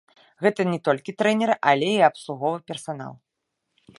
Гэта не толькі трэнеры, але і абслуговы персанал.